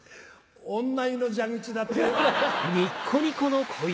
女湯の蛇口だってよ。